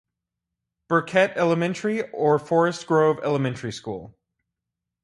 Burkett Elementary or Forest Grove Elementary School.